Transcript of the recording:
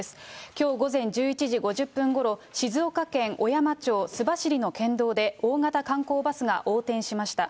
きょう午前１１時５０分ごろ、静岡県小山町須走の県道で大型観光バスが横転しました。